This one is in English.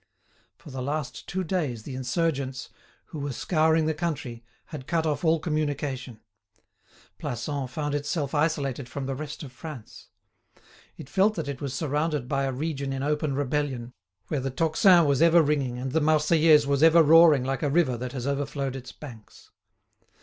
For the last two days the insurgents, who were scouring the country, had cut off all communication. Plassans found itself isolated from the rest of France. It felt that it was surrounded by a region in open rebellion, where the tocsin was ever ringing and the "Marseillaise" was ever roaring like a river that has overflowed its banks.